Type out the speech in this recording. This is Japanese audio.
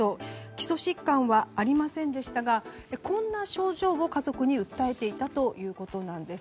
基礎疾患はありませんでしたがこんな症状を家族に訴えていたということなんです。